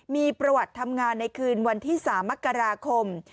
มีประวัติทำงานในคืนวันที่๓มกราคม